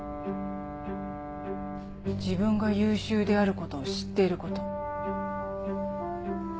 自分が優秀であることを知っていること。